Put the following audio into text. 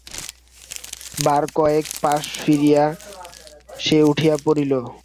বারকয়েক পাশ ফিরিয়া সে উঠিয়া পড়িল।